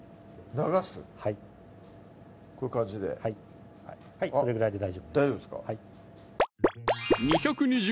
流すはいこういう感じではいそれぐらいで大丈夫です２２０